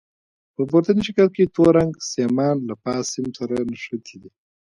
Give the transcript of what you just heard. په پورتني شکل کې تور رنګ سیمان له فاز سیم سره نښتي دي.